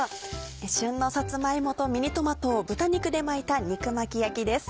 旬のさつま芋とミニトマトを豚肉で巻いた肉巻き焼きです。